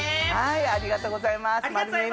ありがとうございます。